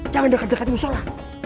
jangan dekat dekat musyola